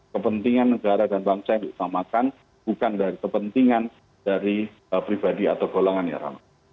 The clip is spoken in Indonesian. kepentingan negara dan bangsa yang diutamakan bukan dari kepentingan dari pribadi atau golongan ya rame